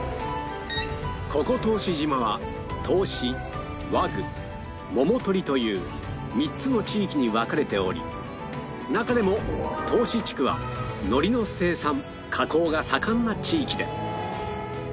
ここ答志島は答志和具桃取という３つの地域に分かれており中でも答志地区は海苔の生産加工が盛んな地域で